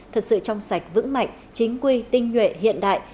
thật sự trong sạch vững mạnh chính quy tinh nhuệ hiện đại